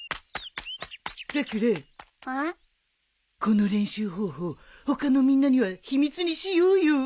この練習方法他のみんなには秘密にしようよ。